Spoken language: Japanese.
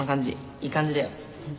いい感じだよ。